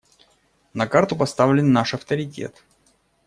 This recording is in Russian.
На карту поставлен наш авторитет.